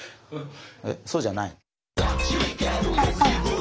えっそうじゃない？